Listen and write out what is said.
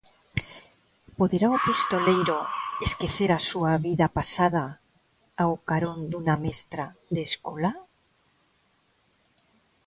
Poderá o pistoleiro esquecer a súa vida pasada ao carón dunha mestra de escola?